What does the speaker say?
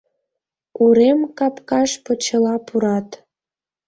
Урем капкаш почела пурат.